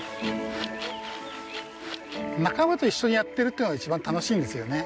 仲間と一緒にやってるっていうのが一番楽しいんですよね。